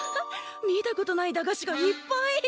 見たことない駄菓子がいっぱい！